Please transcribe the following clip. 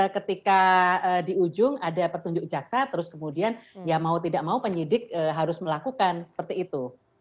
ketika di ujung ada petunjuk jaksa terus kemudian ya mau tidak mau penyidik harus melakukan seperti itu